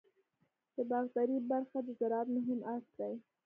د باغدارۍ برخه د زراعت مهم اړخ دی.